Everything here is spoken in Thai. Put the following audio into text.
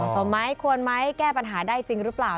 สมไหมควรไหมแก้ปัญหาได้จริงหรือเปล่า